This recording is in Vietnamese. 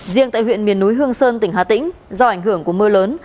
riêng tại huyện miền núi hương sơn tỉnh hà tĩnh do ảnh hưởng của mưa lớn